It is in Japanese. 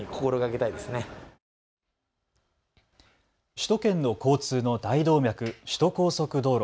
首都圏の交通の大動脈、首都高速道路。